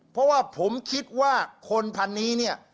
เพราะว่าผมคิดว่าคนพันนี้เนี่ย